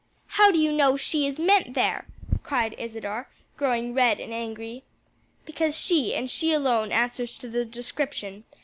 '" "How do you know she is meant there?" asked Isadore, growing red and angry. "Because she, and she alone, answers to the description.